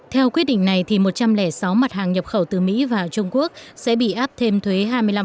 theo quyết định này một trăm linh sáu mặt hàng nhập khẩu từ mỹ và trung quốc sẽ bị áp thêm thuế hai mươi năm